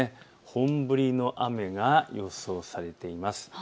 本降りの雨が予想されています。